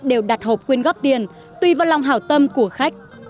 đều đặt hộp quyên góp tiền tùy vào lòng hảo tâm của khách